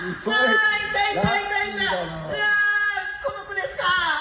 うわこの子ですか！